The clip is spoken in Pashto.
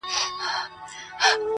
o کلي کي سړه فضا خپره ده,